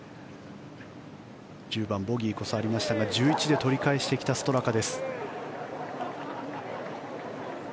１０番、ボギーこそありましたが１１で取り返してきたストラカ。